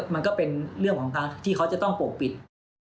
มันก็เป็นเรื่องของพักที่เขาจะต้องปกปิด